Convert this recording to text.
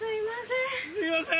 すいません。